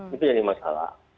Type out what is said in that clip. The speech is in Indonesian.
itu jadi masalah